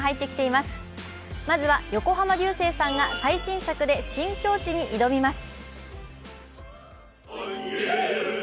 まずは、横浜流星さんが最新作で新境地に挑みます。